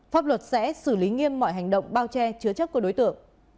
pháp luật sẽ xử lý nghiêm mọi hành động bao che chứa chấp của đối tượng